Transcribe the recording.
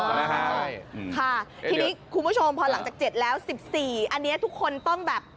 ใช่ค่ะทีนี้คุณผู้ชมพอหลังจาก๗แล้ว๑๔อันนี้ทุกคนต้องแบบ